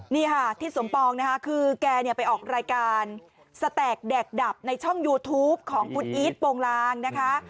นี่ค่ะที่สมปองนะคะคือแกเนี่ยไปออกรายการสแตกแดกดับในช่องยูทูปของคุณอีทโปรงลางนะคะ